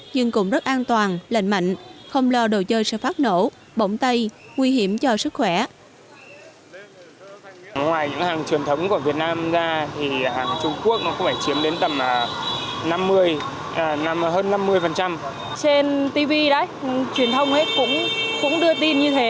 nhưng cũng rất an toàn lành mạnh không lo đồ chơi sẽ phát nổ bổng tay nguy hiểm cho sức khỏe